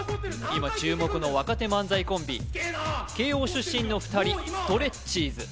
今注目の若手漫才コンビ慶応出身の２人ストレッチーズ